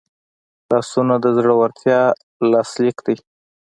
لاسونه د زړورتیا لاسلیک دی